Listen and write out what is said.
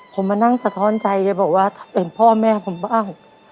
ผมมานั่งสะท้อนใจแกบอกว่าเป็นพ่อแม่ผมบ้าง